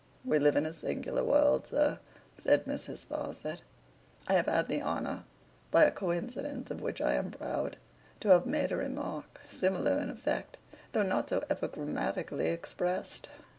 'We live in a singular world, sir,' said Mrs. Sparsit. 'I have had the honour, by a coincidence of which I am proud, to have made a remark, similar in effect, though not so epigrammatically expressed.